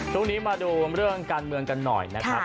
ช่วงนี้มาดูเรื่องการเมืองกันหน่อยนะครับ